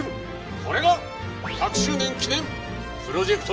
これが１００周年記念プロジェクトだ！